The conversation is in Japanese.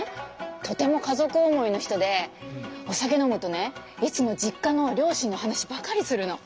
とても家族思いの人でお酒飲むとねいつも実家の両親の話ばかりするの。